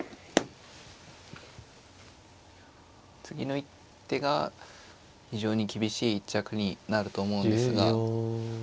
次の一手が非常に厳しい一着になると思うんですが。